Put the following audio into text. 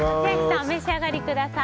お召し上がりください。